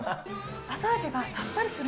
後味はさっぱりしてる。